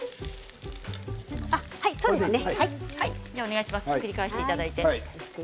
そうですね。